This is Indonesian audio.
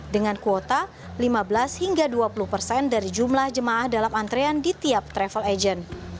dengan kuota lima belas hingga dua puluh persen dari jumlah jemaah dalam antrean di tiap travel agent